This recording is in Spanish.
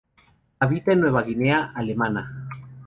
Habita en Nueva Guinea Alemana.